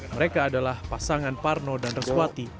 mereka adalah pasangan parno dan reswati